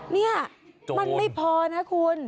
นี่มันไม่พอนะคุณ